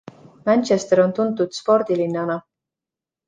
Manchester on tuntud spordilinnana.